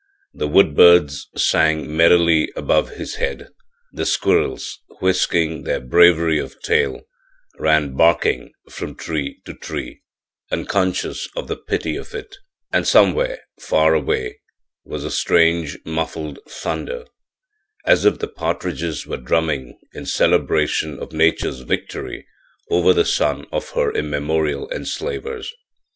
The wood birds sang merrily above his head; the squirrels, whisking their bravery of tail, ran barking from tree to tree, unconscious of the pity of it, and somewhere far away was a strange, muffed thunder, as if the partridges were drumming in celebration of nature's victory over the son of her immemorial enslavers.